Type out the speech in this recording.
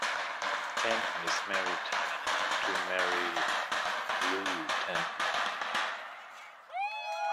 Tanton is married to Mary Lou Tanton.